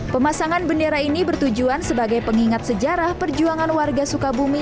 pemasangan bendera ini bertujuan sebagai pengingat sejarah perjuangan warga sukabumi